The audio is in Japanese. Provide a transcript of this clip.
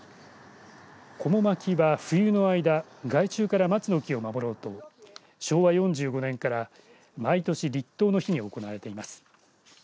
こも巻きは冬の間害虫から松の木を守ろうと昭和４５年から毎年立冬の日に行われています。